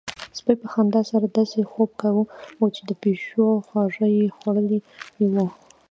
سپي په خندا سره داسې خوب کاوه چې د پيشو خواږه يې خوړلي وي.